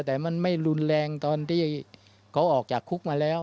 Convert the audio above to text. แต่มันไม่รุนแรงตอนที่เขาออกจากคุกมาแล้ว